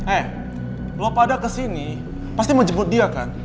eh lo pada kesini pasti menjemput dia kan